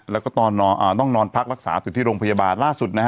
แล้วต้องนอนพักรักษาต้นที่โรงพยาบาล